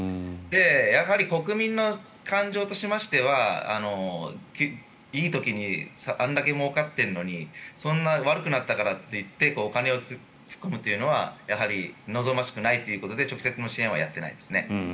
やはり国民の感情としましてはいい時にあれだけもうかっているのにそんな悪くなったからといってお金を突っ込むのはやはり望ましくないということで直接の支援はやってないですね。